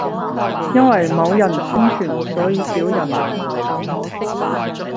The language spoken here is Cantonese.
因為冇人宣傳，所以少人用